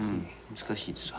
難しいですわ。